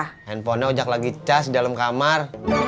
handphonenya ujak lagi cas di dalam kamar